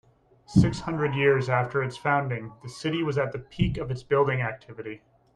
Six hundred years after its founding, the city was at the peak of its building activity.